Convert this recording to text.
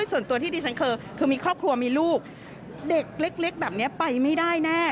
ส่วนตัวที่ดิฉันเคยคือมีครอบครัวมีลูกเด็กเล็กแบบนี้ไปไม่ได้แน่